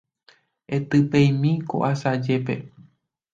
Etypeimi ko asajépe.